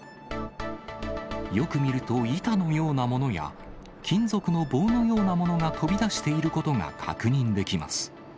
よく見ると、板のようなものや、金属の棒のようなものが飛び出していることが確認できます。